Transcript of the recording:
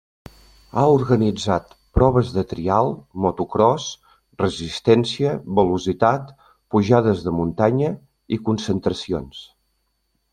Ha organitzat proves de trial, motocròs, resistència, velocitat, pujades de muntanya i concentracions.